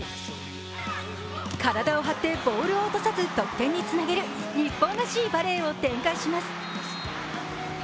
体を張ってボールを落とさず得点につなげる、日本らしいバレーを展開します。